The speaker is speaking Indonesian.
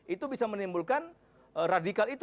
itu bisa menimbulkan radikal itu